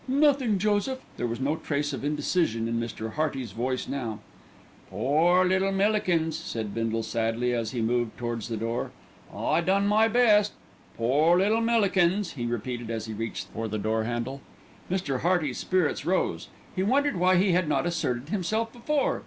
"Nothing, Joseph." There was no trace of indecision in Mr. Hearty's voice now. "Pore little Millikins!" said Bindle sadly as he moved towards the door, "I done my best. Pore little Millikins!" he repeated as he reached for the door handle. Mr. Hearty's spirits rose. He wondered why he had not asserted himself before.